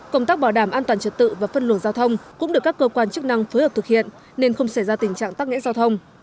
công tác bảo đảm an toàn trật tự và phân luồng giao thông cũng được các cơ quan chức năng phối hợp thực hiện nên không xảy ra tình trạng tắc nghẽ giao thông